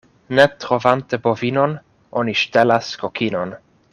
Ne trovante bovinon, oni ŝtelas kokinon.